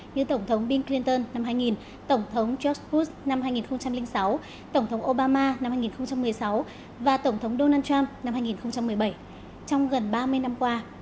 như tổng thống bill clinton năm hai nghìn tổng thống joshus năm hai nghìn sáu tổng thống obama năm hai nghìn một mươi sáu và tổng thống donald trump năm hai nghìn một mươi bảy trong gần ba mươi năm qua